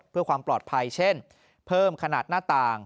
เพื่อความปลอดภัยเช่นเพิ่มขนาดหน้าต่าง